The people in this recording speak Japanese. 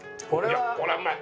これはうまい！